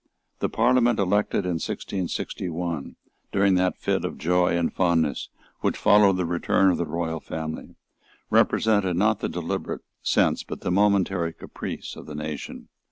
The Parliament elected in 1661, during that fit of joy and fondness which followed the return of the royal family, represented, not the deliberate sense, but the momentary caprice of the nation.